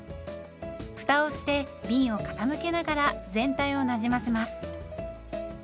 ふたをしてびんを傾けながら全体をなじませます。